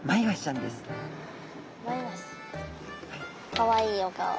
かわいいお顔。